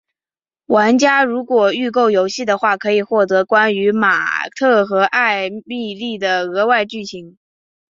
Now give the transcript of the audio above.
玩家如果预购游戏的话可获得关于马特和艾蜜莉的额外剧情。